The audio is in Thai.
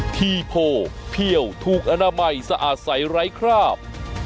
ทีโพเพี่ยวถูกอนามัยสะอาดใสไร้คราบ